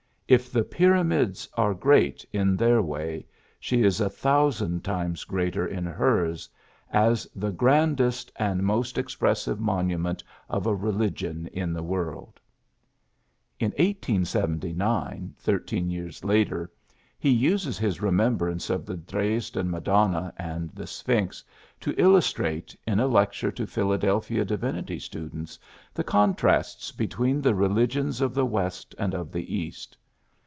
If the Pyramids are great in their way, she is a thousand times greater in hers, as the grandest and most ex 36 PHILLIPS BEOOKS pressive monument of a religion in the world. '^ In 1879, thirteen years later, he uses his remembrance of the Dres den Madonna and the Sphinx to illus trate, in a lecture to Philadelphia di vinity students, the contrasts between the religions of the West and of the East.